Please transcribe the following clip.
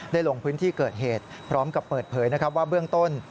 ลงพื้นที่เกิดเหตุพร้อมกับเปิดเผยนะครับว่าเบื้องต้น